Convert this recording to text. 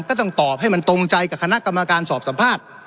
ก็ต้องตอบให้มันตรงใจกับคณะกรรมการสอบสัมภาษณ์